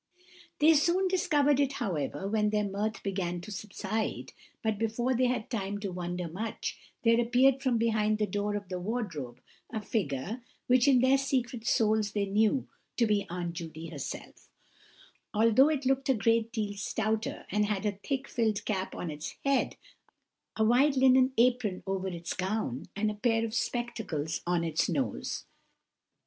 They soon discovered it, however, when their mirth began to subside; but before they had time to wonder much, there appeared from behind the door of the wardrobe a figure, which in their secret souls they knew to be Aunt Judy herself, although it looked a great deal stouter, and had a thick filled cap on its head, a white linen apron over its gown, and a pair of spectacles on its nose.